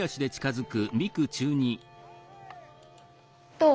どう？